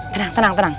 tenang tenang tenang